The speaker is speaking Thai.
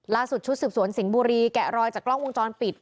ชุดสืบสวนสิงห์บุรีแกะรอยจากกล้องวงจรปิด